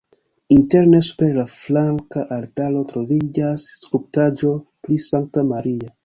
Interne super la flanka altaro troviĝas skulptaĵo pri Sankta Maria.